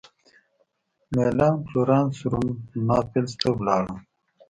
مېلان فلورانس روم ناپلز ته ولاړم.